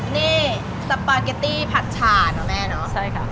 นี่สปาเกตตี้ผัดฉานะแม่เนาะใช่ค่ะ